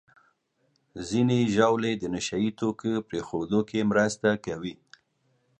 ځینې ژاولې د نشهیي توکو پرېښودو کې مرسته کوي.